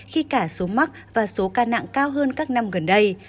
khi cả số mắc và số ca nặng cao hơn các năm gần đây